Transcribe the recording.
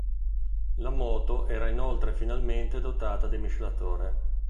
La moto era inoltre finalmente dotata di miscelatore.